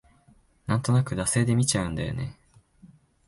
なんとなく惰性で見ちゃうんだよね